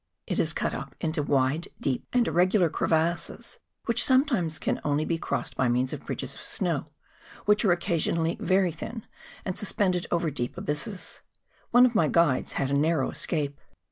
It is cut up into wide, deep, and irregular crevasses, which some¬ times can only be crossed by means of bridges of snow, which are occasionally very thin, and sus¬ pended over deep abysses. One of my guides had a narrow escape.